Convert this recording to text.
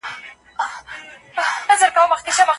که ته په املا کي بریالی سې.